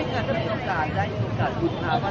เขาทำไมไม่ได้ถ่ายมา